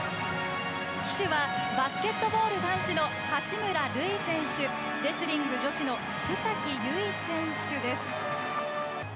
旗手はバスケットボール男子の八村塁選手レスリング女子の須崎優衣選手です。